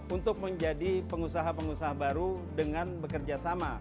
untuk menjadi pengusaha pengusaha baru dengan bekerja sama